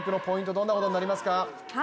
どんなところになりますか？